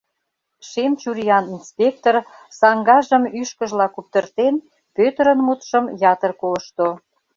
Шем чуриян инспектор, саҥгажым ӱшкыжла куптыртен, Пӧтырын мутшым ятыр колышто.